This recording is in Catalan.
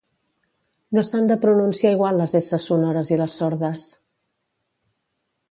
No s'han de pronunciar igual les esses sonores i les sordes